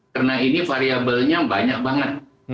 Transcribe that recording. karena ini variabelnya banyak banget bisa dari mana mana